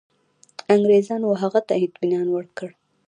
انګرېزانو هغه ته اطمیان ورکړ.